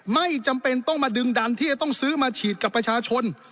ไม่จำเป็นต้องมาดึงดันที่จะต้องซื้อมาฉีดกับประชาชน